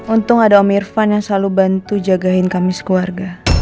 untung ada om irfan yang selalu bantu jagain kami sekeluarga